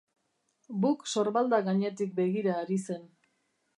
Bouc sorbalda gainetik begira ari zen.